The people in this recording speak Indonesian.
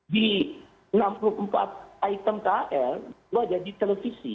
di enam puluh empat item kl itu ada di televisi